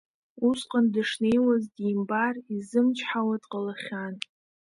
Усҟан дышнеиуаз димбар изымчҳауа дҟалахьан.